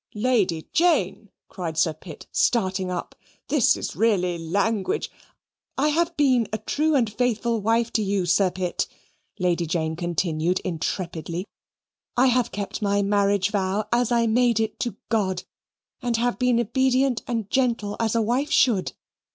"Lady Jane!" cried Sir Pitt, starting up, "this is really language " "I have been a true and faithful wife to you, Sir Pitt," Lady Jane continued, intrepidly; "I have kept my marriage vow as I made it to God and have been obedient and gentle as a wife should.